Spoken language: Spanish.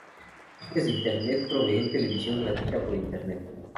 Páginas de Internet proveen televisión gratuita por Internet.